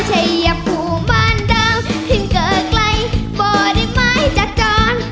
ใช่อย่างผู้บ้านเดิมที่เกิดใกล้บ่อดินไม้จากจอน